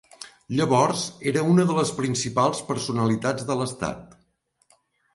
Llavors era una de les principals personalitat de l'estat.